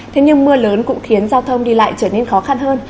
thế nhưng mưa lớn cũng khiến giao thông đi lại trở nên khó khăn hơn